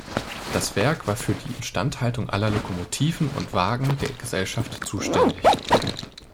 Das Werk war für die Instandhaltung aller Lokomotiven und Wagen der Gesellschaft zuständig.